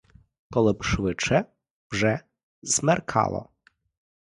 Коли б швидше вже смеркало.